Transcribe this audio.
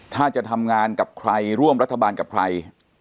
ถ้าจะทำงานกับใครร่วมรัฐบาลกับใคร